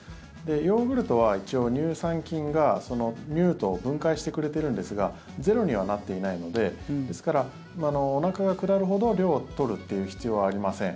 ヨーグルトは一応乳酸菌がその乳糖を分解してくれてるんですがゼロにはなっていないのでですから、おなかが下るほど量を取るっていう必要はありません。